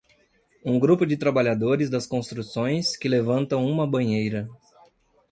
Um grupo de trabalhadores das construções que levantam uma banheira.